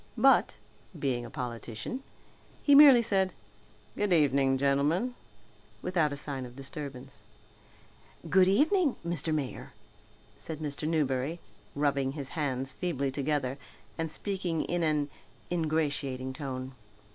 But, being a politician he merely said, "Good evening, gentlemen," without a sign of disturbance. "Good evening, Mr. Mayor," said Mr. Newberry, rubbing his hands feebly together and speaking in an ingratiating tone.